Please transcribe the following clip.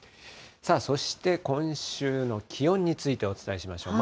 そして今週の気温についてお伝えしましょう。